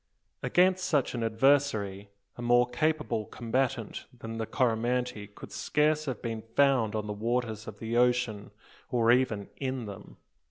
Against such an adversary a more capable combatant than the Coromantee could scarce have been found on the waters of the ocean, or even in them.